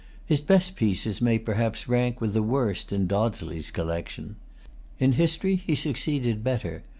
His best pieces may perhaps rank with the worst in Dodsley's collection. In history, he succeeded better.